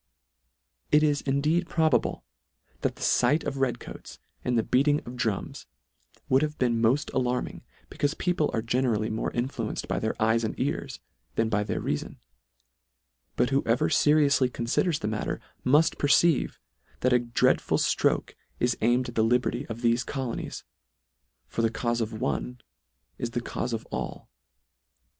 It is indeed probable, that the fight of red coats, and the beating of drums would have been mod alarming, becaufe people are generally more influenced by their eyes and ears than by their reafon : But who ever ferioufly conliders the matter, muff perceive, that a dreadful flroke is aimed at the liberty of thefe colonies : For the caufe of one is the caufe of all.